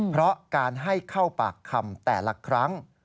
เพราะการให้เข้าปากคำแต่ละครั้ง